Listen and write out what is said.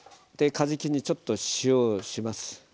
かじきにちょっと塩をします。